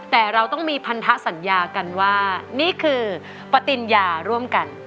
แต่เราต้องมีพันธสัญญากันว่านี่คือปฏิญญาร่วมกัน